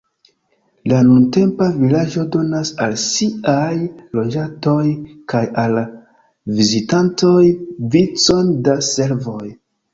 La nuntempa vilaĝo donas al siaj loĝantoj kaj al vizitantoj vicon da servoj.